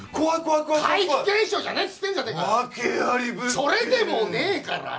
それでもねえからな。